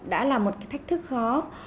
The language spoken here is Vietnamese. đã là một thách thức khó